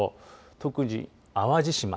特に淡路島